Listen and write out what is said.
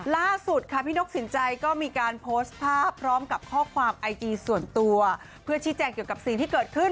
ล่าสุดค่ะพี่นกสินใจก็มีการโพสต์ภาพพร้อมกับข้อความไอจีส่วนตัวเพื่อชี้แจงเกี่ยวกับสิ่งที่เกิดขึ้น